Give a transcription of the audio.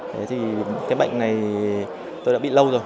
thế thì cái bệnh này tôi đã bị lâu rồi